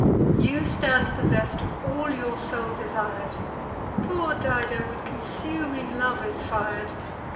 You stand possess'd of all your soul desir'd: Poor Dido with consuming love is fir'd.